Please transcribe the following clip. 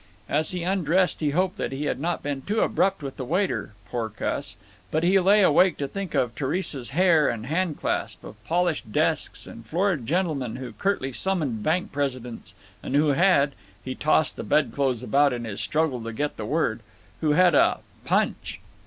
As he undressed he hoped that he had not been too abrupt with the waiter, "poor cuss." But he lay awake to think of Theresa's hair and hand clasp; of polished desks and florid gentlemen who curtly summoned bank presidents and who had—he tossed the bedclothes about in his struggle to get the word—who had a _punch!